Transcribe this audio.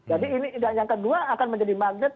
jadi ini yang kedua akan menjadi magnet